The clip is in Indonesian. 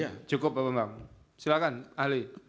ya cukup pak bambang silakan ahli